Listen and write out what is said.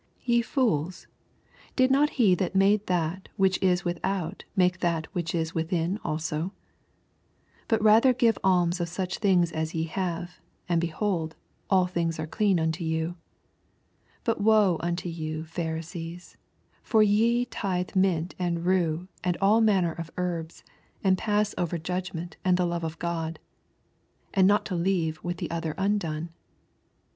40 Ve fools, did not he that made that which is without make that which is wiOiin also ? 41 But rather give alms of such things as ye have, and behold, all things are clean unto you. 42 But woe unto you, Pharisees I for ye tithe mint and rue and all manner of herbs, and pass over judg ment and the love of God : these ought ye to have done, and not to leave the other undone.